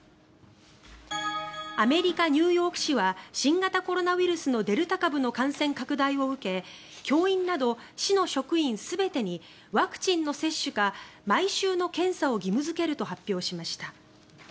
アメリカ・ニューヨーク市は新型コロナウイルスのデルタ株の感染拡大を受け教員など市の職員全てにワクチンの接種か毎週の検査を義務付けると発表しました。